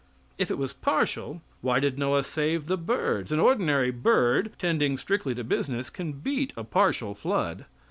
If it was partial why did Noah save the birds? An ordinary bird, tending strictly to business, can beat a partial flood.